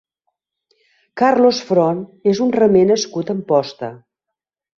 Carlos Front és un remer nascut a Amposta.